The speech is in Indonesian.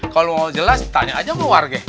kalau mau jelas tanya aja sama warga